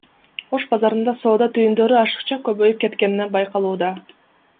Ош базарында соода түйүндөрү ашыкча көбөйүп кеткени байкалууда.